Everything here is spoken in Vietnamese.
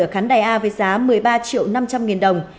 ở khán đài a với giá một mươi ba triệu năm trăm linh nghìn đồng